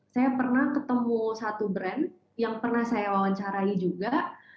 saya pernah ketemu satu brand yang pernah saya wawancarai juga